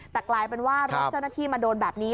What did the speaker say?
แต่กลายเป็นว่ารถเจ้าหน้าที่มาโดนแบบนี้